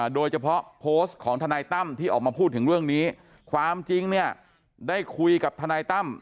โดยเฉพาะโพสต์ของทนายตั้มที่ออกมาพูดถึงเรื่องนี้ความจริงเนี่ยได้คุยกับทนายตั้ม